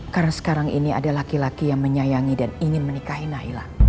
karena sekarang ini ada laki laki yang menyayangi dan ingin menikahi naila